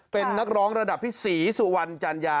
เป็นนักร้องระดับพี่ศรีสุวรรณจัญญา